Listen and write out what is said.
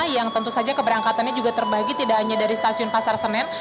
yang tentu saja keberangkatannya juga terbagi tidak hanya dari stasiun pasar senen